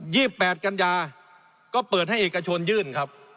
ี่แปดกันยาก็เปิดให้เอกชนยื่นครับ